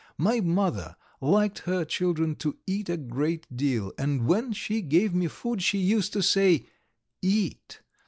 My mother liked her children to eat a great deal, and when she gave me food she used to say: 'Eat!